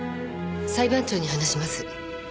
裁判長に話します。